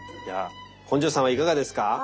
では本上さんはいかがですか？